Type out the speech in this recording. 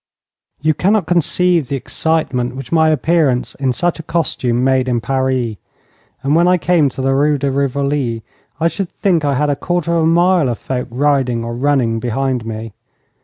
You cannot conceive the excitement which my appearance in such a costume made in Paris, and when I came to the Rue de Rivoli I should think I had a quarter of a mile of folk riding or running behind me.